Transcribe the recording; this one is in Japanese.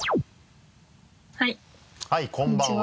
はいこんにちは。